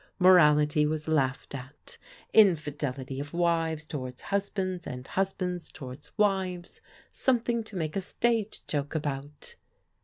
Morality was laughed at, infidelity of wives towards hus bands, and husbands towards wives, something to make a stage joke about.